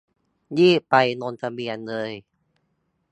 รีบไปลงทะเบียนเลย